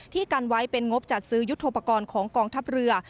กันไว้เป็นงบจัดซื้อยุทธโปรกรณ์ของกองทัพเรือ